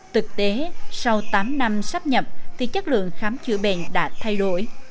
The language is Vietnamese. thực tế sau tám năm sắp nhập thì chất lượng khám chữa bệnh đã thay đổi